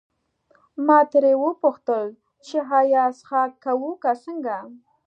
ما ترې وپوښتل چې ایا څښاک کوو که څنګه.